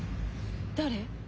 誰？